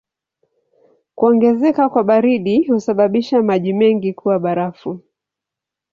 Kuongezeka kwa baridi husababisha maji mengi kuwa barafu.